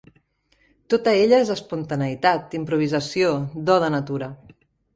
Tota ella és espontaneïtat, improvisació, do de natura